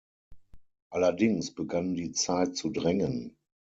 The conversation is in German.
Allerdings begann die Zeit zu drängen.